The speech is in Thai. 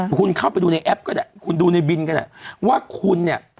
คุณเข้าไปดูในแอปก็ได้คุณดูในบินก็ได้ว่าคุณเนี่ย